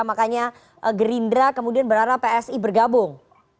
makanya gerindra kemudian berharap psi bergabung